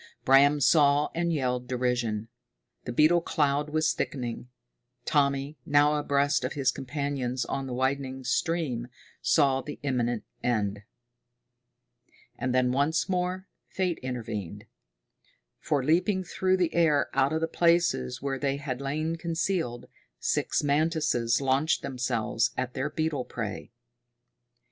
Bram saw and yelled derision. The beetle cloud was thickening. Tommy, now abreast of his companions on the widening stream, saw the imminent end. And then once more fate intervened. For, leaping through the air out of the places where they had lain concealed, six mantises launched themselves at their beetle prey.